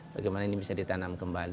bagaimana ini bisa ditanam kembali